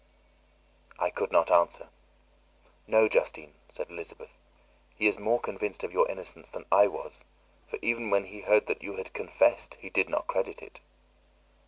I could not answer. "No, Justine," said Elizabeth; "he is more convinced of your innocence than I was, for even when he heard that you had confessed, he did not credit it."